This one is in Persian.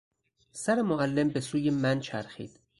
سر معلم به سوی من چرخید.